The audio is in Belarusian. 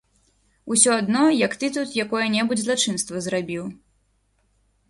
Усё адно, як ты тут якое-небудзь злачынства зрабіў.